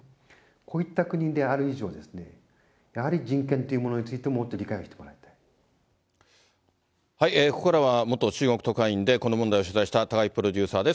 こういった国である以上ですね、やはり人権というものについて、ここからは元中国特派員で、この問題を取材した高井プロデューサーです。